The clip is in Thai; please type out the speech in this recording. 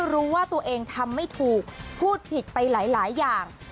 รู้ว่าตัวเองทำไม่ถูกพูดผิดไปหลายอย่าง